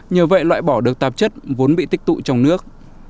nhờ vậy loại bỏ được tạp chất vốn bị tích tụ trong nước